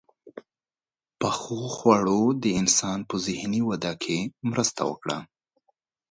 • پخو خوړو د انسان په ذهني وده کې مرسته وکړه.